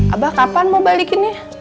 abah kapan mau balikinnya